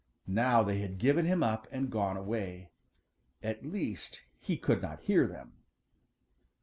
Now they had given him up and gone away. At least, he could not hear them.